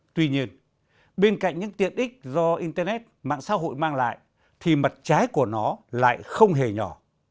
tuy nhiên bên cạnh những tiện ích do internet mạng xã hội mang lại thì mặt trái của nó lại không hề nhỏ